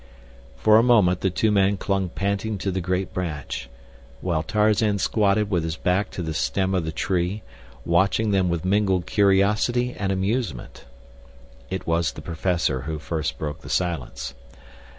For a moment the two men clung panting to the great branch, while Tarzan squatted with his back to the stem of the tree, watching them with mingled curiosity and amusement. It was the professor who first broke the silence.